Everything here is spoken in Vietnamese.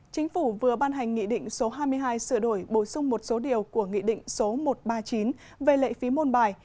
chính phủ vừa ban hành nghị định số hai mươi hai sửa đổi bổ sung một số điều của nghị định số một trăm ba mươi chín về lệ phí môn bài